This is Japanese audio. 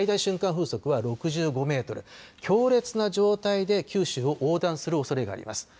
風速は６５メートル、強烈な状態で九州を横断するおそれがあります。